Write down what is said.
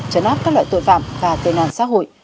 chấn áp các loại tội phạm và tên nạn xã hội